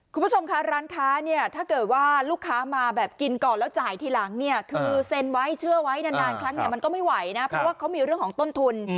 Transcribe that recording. คุณผู้ชมคะร้านค้าเนี่ยถ้าเกิดว่าลูกค้ามาแบบกินก่อนแล้วจ่ายทีหลังเนี่ยคือเซ็นไว้เชื่อไว้นานครั้งเนี่ยมันก็ไม่ไหวนะเพราะว่าเขามีเรื่องของต้นทุน